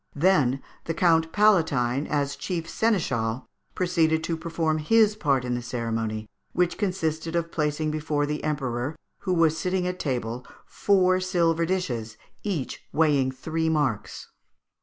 Then the Count Palatine, as chief seneschal, proceeded to perform his part in the ceremony, which consisted of placing before the Emperor, who was sitting at table, four silver dishes, each weighing three marks.